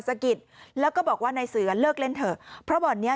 สะกิดแล้วก็บอกว่านายเสือเลิกเล่นเถอะเพราะบ่อนเนี้ย